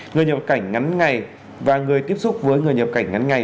người nhập cảnh ngắn ngày và người tiếp xúc với người nhập cảnh ngắn ngày